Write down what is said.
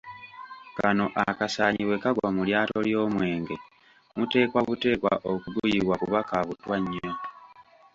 Kano akasaanyi bwe kagwa mu lyato ly'omwenge, muteekwa buteekwa okuguyiwa kuba ka butwa nnyo.